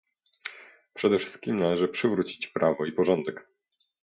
Przede wszystkim należy przywrócić prawo i porządek